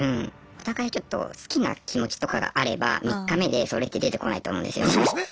お互いちょっと好きな気持ちとかがあれば３日目でそれって出てこないと思うんですよね。